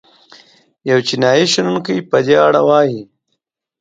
یو چینايي شنونکی په دې اړه وايي.